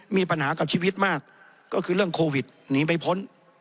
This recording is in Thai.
มีปัญหากับชีวิตมากก็คือเรื่องโควิดหนีไม่พ้น